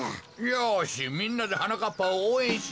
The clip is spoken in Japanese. よしみんなではなかっぱをおうえんしよう。